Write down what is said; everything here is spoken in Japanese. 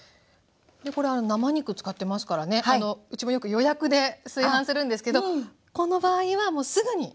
でこれ生肉使ってますからねうちもよく予約で炊飯するんですけどこの場合はもうすぐに炊飯しないといけないですね。